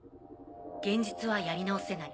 現実はやり直せない。